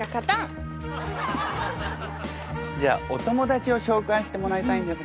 じゃあお友達を紹介してもらいたいんですが。